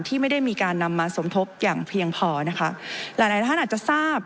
ที่ไม่ได้มีการนำมาสมทบอย่างเพียงพอนะคะหลายหลายท่านอาจจะทราบ